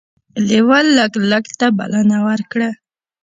لیوه لګلګ ته بلنه ورکړه.